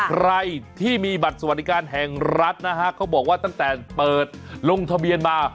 ใครที่มีบัตรสวัสดิการแห่งรัฐนะฮะเขาบอกว่าตั้งแต่เปิดลงทะเบียนมา